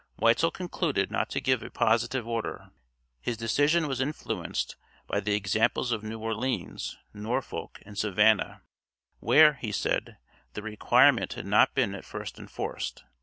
Weitzel concluded not to give a positive order; his decision was influenced by the examples of New Orleans, Norfolk, and Savannah, where, he said, the requirement had not been at first enforced.